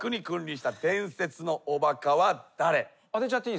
当てちゃっていいですか？